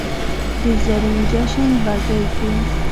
د زرین جشن بګۍ کې